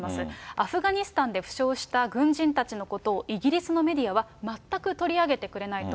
アフガニスタンで負傷した軍人たちのことをイギリスのメディアは全く取り上げてくれないと。